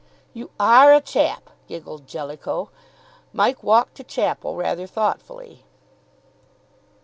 "You are a chap!" giggled Jellicoe. Mike walked to chapel rather thoughtfully.